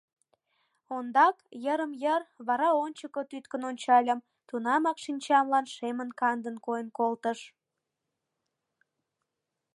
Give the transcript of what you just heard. Ондак — йырым-йыр, вара ончыко тӱткын ончальым... тунамак шинчамлан шемын-кандын койын колтыш.